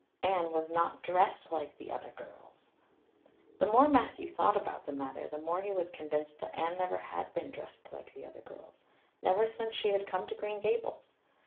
Anne was not dressed like the other girls! The more Matthew thought about the matter the more he was convinced that Anne never had been dressed like the other girls never since she had come to Green Gables.